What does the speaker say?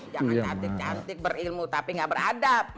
jangan cantik cantik berilmu tapi gak beradab